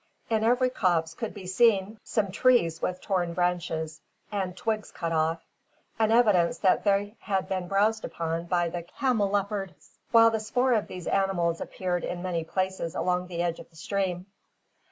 In every copse could be seen some trees with torn branches, and twigs cut off, an evidence that they had been browsed upon by the camelopards; while the spoor of these animals appeared in many places along the edge of the stream.